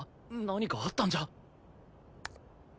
何かあったんじゃ。